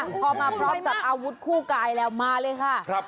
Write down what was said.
พอมาพร้อมกับอาวุธคู่กายแล้วมาเลยค่ะ